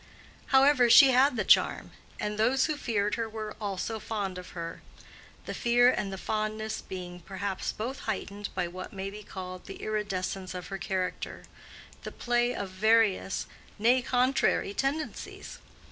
However, she had the charm, and those who feared her were also fond of her; the fear and the fondness being perhaps both heightened by what may be called the iridescence of her character—the play of various, nay, contrary tendencies.